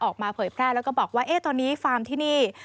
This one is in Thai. เผยแพร่แล้วก็บอกว่าตอนนี้ฟาร์มที่นี่